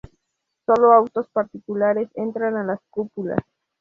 Sólo autos particulares entran a Las Cúpulas.